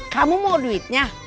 kamu mau duitnya